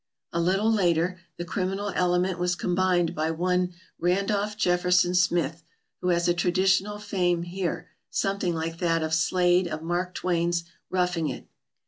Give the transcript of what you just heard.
A little later the criminal element was combined by one Randolph Jefferson Smith, who has a traditional fame here something like that of Slade of Mark Twain's "Roughing It."